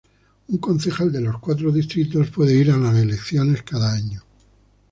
Un concejal de los cuatro distritos puede ir a las elecciones cada año.